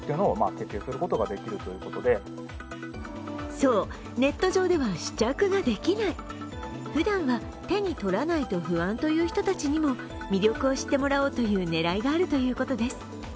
そう、ネット上では試着ができない。ふだんは手に取らないと不安という人たちにも魅力を知ってもらおうという狙いがあるということです。